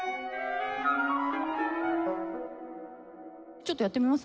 ちょっとやってみます？